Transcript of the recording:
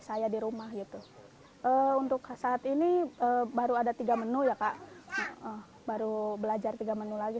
saya di rumah gitu untuk saat ini baru ada tiga menu ya kak baru belajar tiga menu lagi